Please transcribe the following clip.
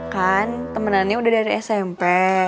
kan temenannya udah dari smp